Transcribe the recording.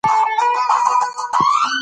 ملا بانګ د یوې نوې ورځې په تمه دی.